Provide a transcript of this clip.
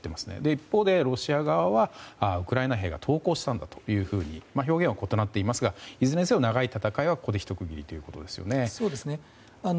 一方でロシア側はウクライナ兵が投降したんだと表現は異なっていますがいずれにせよ長い戦いはここでひと区切りということですね。